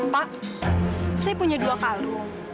pak saya punya dua kalu